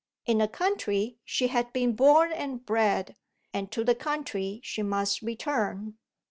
In the country she had been born and bred, and to the country she must return.